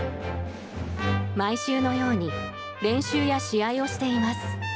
毎週のように練習や試合をしています。